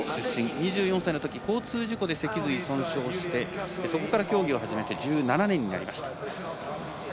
２４歳のとき交通事故で脊髄損傷してそこから競技を始めて１７年になりました。